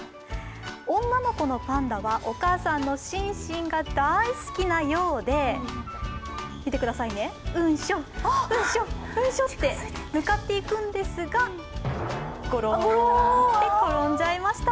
女の子のパンダはお母さんのシンシンが大好きなようで見てくださいね、うんしょ、うんしょって向かっていくんですがごろーんて転んじゃいました。